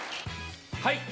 はい。